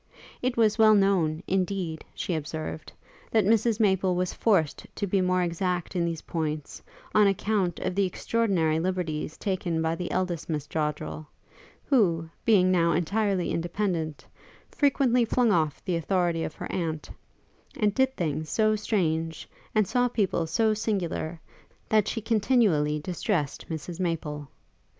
It was well known, indeed, she observed, that Mrs Maple was forced to be the more exact in these points on account of the extraordinary liberties taken by the eldest Miss Joddrel, who, being now entirely independent, frequently flung off the authority of her aunt, and did things so strange, and saw people so singular, that she continually distressed Mrs Maple.